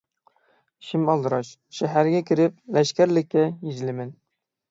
ئىشىم ئالدىراش، شەھەرگە كىرىپ لەشكەرلىككە يېزىلىمەن.